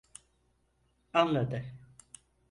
Anladı.